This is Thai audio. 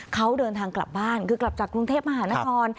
เขาเดินทางกลับบ้านคือกลับจากกรุงเทพมหานคร